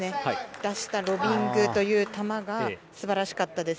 出したロビングという球が素晴らしかったです。